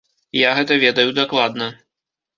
Я гэта ведаю дакладна.